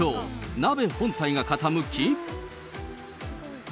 鍋本体が傾き。